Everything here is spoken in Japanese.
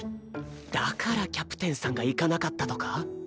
だからキャプテンさんが行かなかったとか？